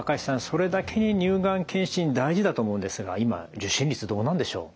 それだけに乳がん検診大事だと思うんですが今受診率どうなんでしょう。